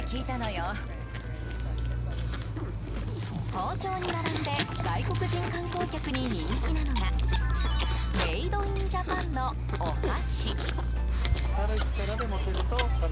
包丁に並んで外国人観光客に人気なのがメイド・イン・ジャパンのお箸。